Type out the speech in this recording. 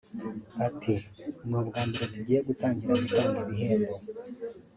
Ati “Ni ubwa mbere tugiye gutangira gutanga ibihembo